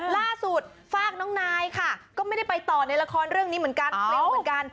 ล่าสุดฝากน้องนายค่ะก็ไม่ได้ไปต่อในละครเรื่องนี้เหมือนกัน